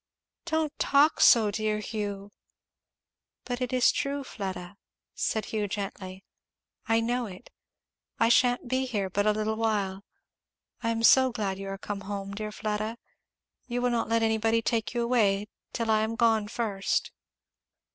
"Don't talk so, dear Hugh!" "But it is true, Fleda," said Hugh gently. "I know it. I sha'n't be here but a little while. I am so glad you are come home, dear Fleda! You will not let anybody take you away till I am gone first?"